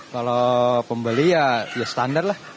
kalau pembeli ya standar lah